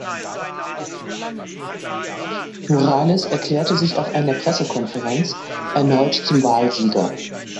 Morales erklärte sich auf einer Pressekonferenz erneut zum Wahlsieger.